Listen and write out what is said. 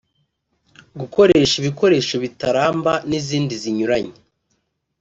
gukoresha ibikoresho bitaramba n’izindi zinyuranye